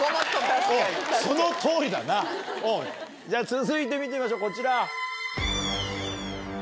続いて見てみましょうこちら。